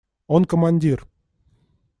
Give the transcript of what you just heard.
Он командир.